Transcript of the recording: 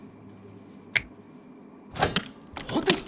ホテル？